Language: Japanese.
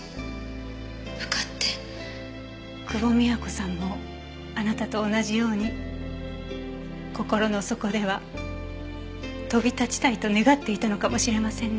久保美也子さんもあなたと同じように心の底では飛び立ちたいと願っていたのかもしれませんね。